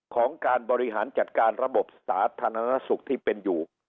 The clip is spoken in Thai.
ของการบริหารจัดการระบบสาธารณสุขที่เป็นอยู่